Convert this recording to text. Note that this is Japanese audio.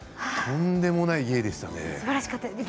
とんでもない芸でしたね。